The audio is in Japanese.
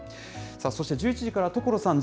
そして１１時から、所さん！